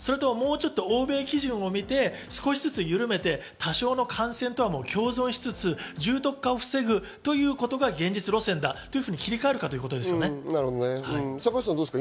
もうちょっと欧米基準を見て少しずつゆるめて、多少の感染とは共存しつつ、重篤化を防ぐということが現実路線だというふうに切り替えるかということですね。